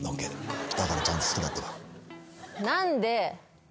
「だからちゃんと好きだってば」